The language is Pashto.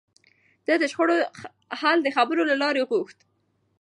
ده د شخړو حل د خبرو له لارې غوښت.